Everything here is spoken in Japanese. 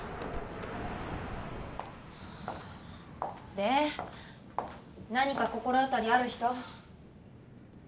で何か心当たりある人。